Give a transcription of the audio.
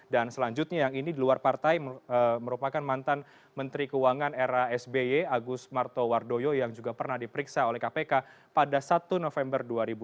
dan selanjutnya yang ini di luar partai merupakan mantan menteri keuangan era sby agus martowardoyo yang juga pernah diperiksa oleh kpk pada satu november dua ribu enam belas